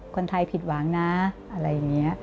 คนไทยผิดหวังนะอะไรอย่างนี้